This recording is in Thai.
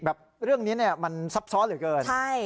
เรื่องนี้เนี่ยมันซับซ้อนเหลือเกินใช่